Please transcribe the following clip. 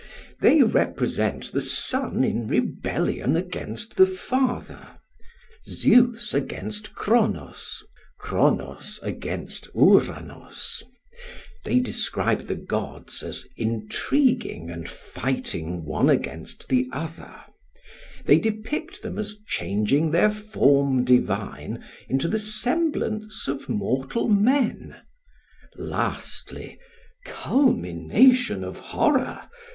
They represent the son in rebellion against the father Zeus against Kronos, Kronos against Uranos; they describe the gods as intriguing and fighting one against the other; they depict them as changing their form divine into the semblance of mortal men; lastly culmination of horror!